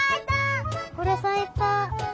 これさいた。